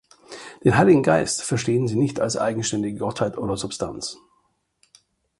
Den Heiligen Geist, verstehen sie nicht als eigenständige Gottheit oder Substanz.